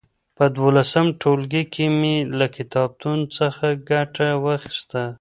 په دولسم ټولګي کي مي له کتابتون څخه ګټه واخيسته.